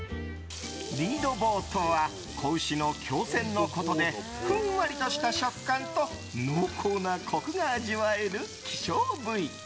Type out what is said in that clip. リードヴォーとは仔牛の胸腺のことでふんわりとした食感と濃厚なコクが味わえる希少部位。